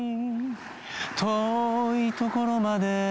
「遠いところまで」